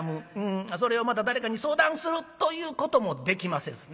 それをまた誰かに相談するということもできませんしね。